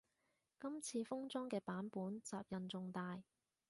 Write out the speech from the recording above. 今次封裝嘅版本責任重大